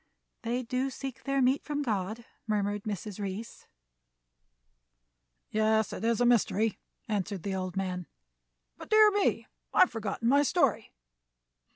"They do seek their meat from God," murmured Mrs. Reece. "Yes, it is a mystery," answered the old man. "But, dear me, I have forgotten my story.